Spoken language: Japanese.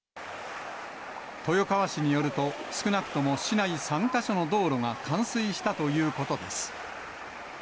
豊川市によると、少なくとも市内３か所の道路が冠水したということです。